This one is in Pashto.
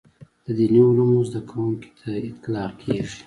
د دیني علومو زده کوونکي ته اطلاقېږي.